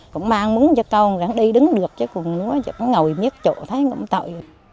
cũng mang múng cho con ráng đi đứng được chứ cũng ngồi miếng chỗ thấy cũng tội